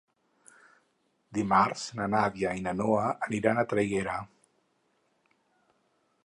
Dimarts na Nàdia i na Noa aniran a Traiguera.